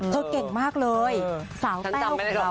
เก่งมากเลยสาวแต้วของเรา